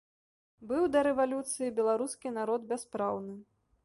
Быў да рэвалюцыі беларускі народ бяспраўны.